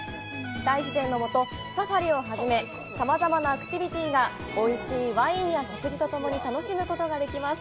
大自然の下、サファリをはじめさまざまなアクティビティが、おいしいワインや食事とともに楽しむことができます。